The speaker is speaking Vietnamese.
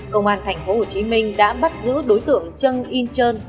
công an thành phố hồ chí minh đã bắt giữ đối tượng trân yên trơn